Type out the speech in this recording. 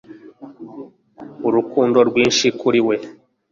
Urukundo rwinshi kuri we